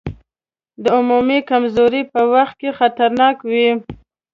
د عمومي کمزورۍ په وخت کې خطرناک وي.